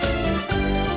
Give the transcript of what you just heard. teganya teganya teganya